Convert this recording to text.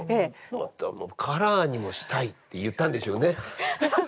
またもうカラーにもしたいって言ったんでしょうね。